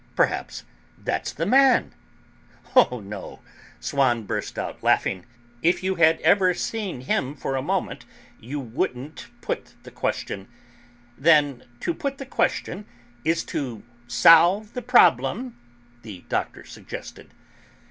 "Perhaps that's the man!" cried Mme. Verdurin. "Oh, no!" Swann burst out laughing. "If you had ever seen him for a moment you wouldn't put the question." "Then to put the question is to solve the problem?" the Doctor suggested.